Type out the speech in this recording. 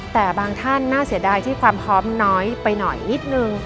แต่บางท่านน่าเสียดายที่ความพร้อมน้อยไปหน่อยนิดนึง